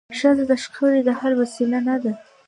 ښځه د شخړي د حل وسیله نه ده.